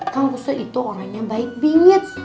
kang kusoi itu orangnya baik bingits